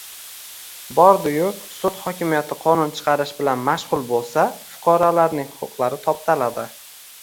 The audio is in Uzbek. Bordi-yu, sud hokimiyati qonun chiqarish bilan mashg‘ul bo‘lsa, fuqarolarning huquqlari toptaladi.